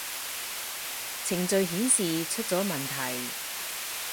程序顯示出咗問題